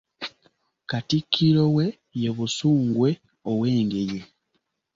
Katikkiro we ye Busungwe ow'Engeye.